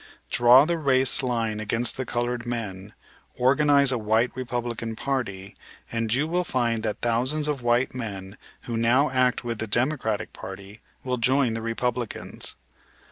"Draw the race line against the colored man, organize a white Republican party, and you will find that thousands of white men who now act with the Democratic party will join the Republicans."